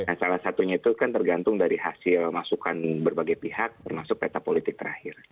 nah salah satunya itu kan tergantung dari hasil masukan berbagai pihak termasuk peta politik terakhir